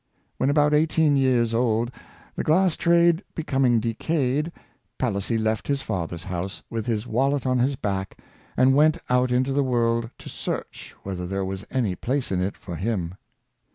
When about eighteen years old, the glass trade be coming decayed, Palissy left his father's house, with his wallet on his back, and went out into the world to search whether there was any place in it for him.